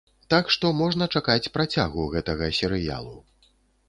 Так што можна чакаць працягу гэтага серыялу.